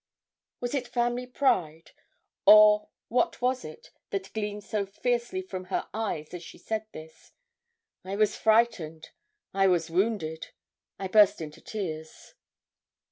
Was it family pride, or what was it, that gleamed so fiercely from her eyes as she said this? I was frightened I was wounded I burst into tears.